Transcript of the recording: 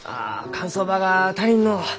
乾燥場が足りんのう。